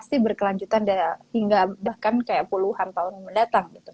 pasti berkelanjutan hingga bahkan kayak puluhan tahun mendatang gitu